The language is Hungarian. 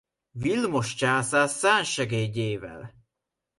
Vilmos császár szárnysegédjével.